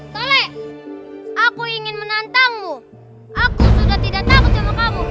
tole aku ingin menantangmu aku sudah tidak takut sama kamu